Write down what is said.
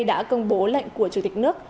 đã công bố lệnh của chủ tịch nước